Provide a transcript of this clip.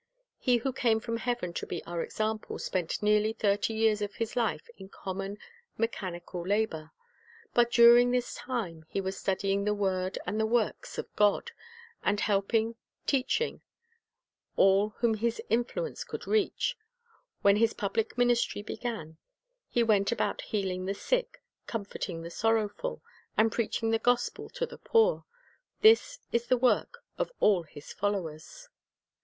He who came from heaven to be our example spent nearly thirty years of His life in common, mechanical labor; but during this time He was studying the word and the works of God, and helping, teaching, all whom ' Eccl. 11 :6, R. V. Clioosing nn Occupation Cause of Failure 268 Cha racier Building His influence could reach. When His public ministry began, lie went about healing the sick, comforting the sorrowful, and preaching the gospel to the poor. This is the work of all His followers.